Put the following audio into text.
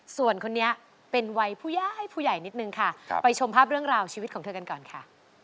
ส่วนคนนี้เป็นวัยผู้ใหญ่ผู้ใหญ่นิดนึงค่ะไปชมภาพเรื่องราวชีวิตของเธอกันก่อนค่ะ